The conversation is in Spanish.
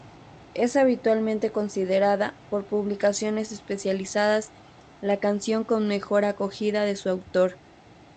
Es habitualmente considerada, por publicaciones especializadas, la canción con mejor acogida de su autor.